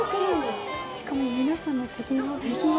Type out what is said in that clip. しかも皆さんの手際が。